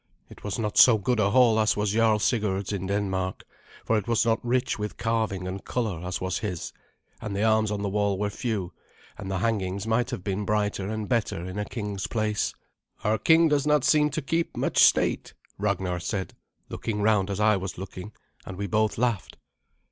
It was not so good a hall as was Jarl Sigurd's in Denmark, for it was not rich with carving and colour as was his, and the arms on the wall were few, and the hangings might have been brighter and better in a king's place. "Our king does not seem to keep much state," Ragnar said, looking round as I was looking, and we both laughed.